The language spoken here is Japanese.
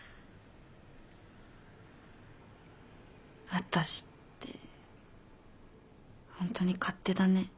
私って本当に勝手だね。